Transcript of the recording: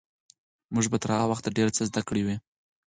موږ به تر هغه وخته ډېر څه زده کړي وي.